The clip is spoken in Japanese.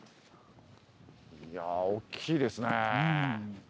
いや大きいですねぇ。